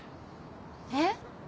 えっ？